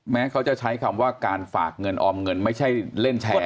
แม้เขาจะใช้คำว่าการฝากเงินออมเงินไม่ใช่เล่นแชร์